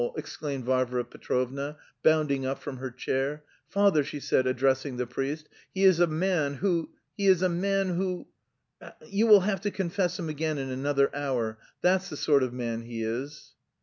exclaimed Varvara Petrovna, bounding up from her chair. "Father," she said, addressing the priest, "he is a man who... he is a man who... You will have to confess him again in another hour! That's the sort of man he is."